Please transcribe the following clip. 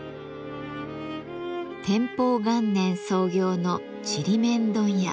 天保元年創業のちりめん問屋。